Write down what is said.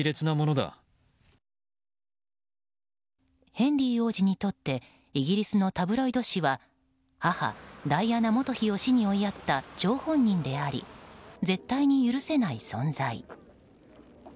ヘンリー王子にとってイギリスのタブロイド紙は母ダイアナ元妃を死に追いやった張本人であり絶対に許せない存在。